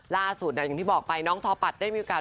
อย่างที่บอกไปน้องทอปัดได้มีโอกาส